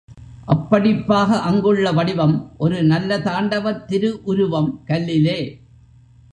அப்படிப்பாக அங்குள்ள வடிவம் ஒரு நல்ல தாண்டவத் திரு உருவம் கல்லிலே.